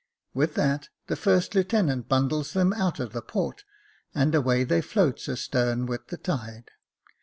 With that the first lieutenant bundles them out of the port, and away they floats astern with the tide.